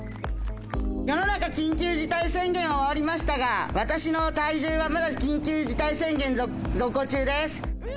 世の中緊急事態宣言は終わりましたが、私の体重はまだ緊急事態宣言続行中です。